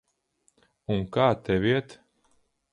Un kā tev iet?